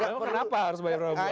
kenapa harus banyak berapa buah